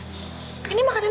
di dormnya kayak schivat